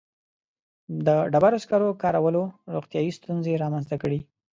• د ډبرو سکرو کارولو روغتیایي ستونزې رامنځته کړې.